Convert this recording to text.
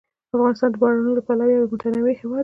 افغانستان د بارانونو له پلوه یو متنوع هېواد دی.